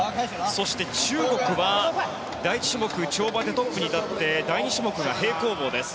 そして中国は、第１種目跳馬でトップに立って第２種目が平行棒です。